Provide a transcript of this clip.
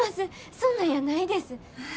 そんなんやないです。